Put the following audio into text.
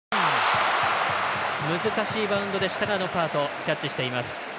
難しいバウンドでしたがノパートキャッチしています。